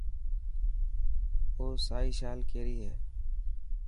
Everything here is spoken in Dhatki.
او سائي شال ڪيري هي.